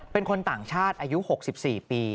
เป็นคนต่างชาติอายุ๖๔ปี